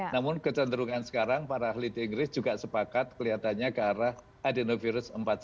namun kecenderungan sekarang para ahli di inggris juga sepakat kelihatannya ke arah adenovirus empat puluh